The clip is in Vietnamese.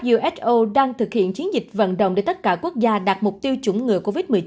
uso đang thực hiện chiến dịch vận động để tất cả quốc gia đạt mục tiêu chủng ngừa covid một mươi chín